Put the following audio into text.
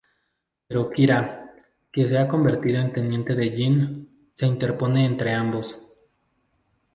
Pero Kira, que se ha convertido en teniente de Gin, se interpone entre ambos.